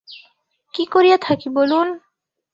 কী করিয়া থাকি বলুন।